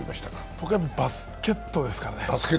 僕はバスケットですかね。